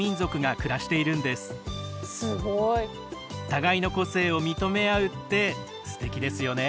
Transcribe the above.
互いの個性を認め合うってすてきですよね。